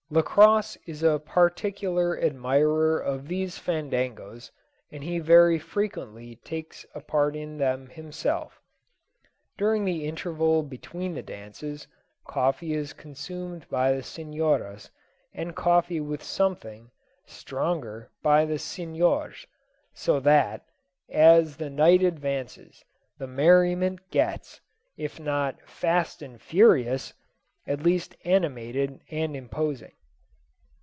Lacosse is a particular admirer of these fandangos, and he very frequently takes a part in them himself. During the interval between the dances, coffee is consumed by the senoras, and coffee with something, stronger by the senors; so that, as the, night advances, the merriment gets, if not "fast and furious," at least animated and imposing.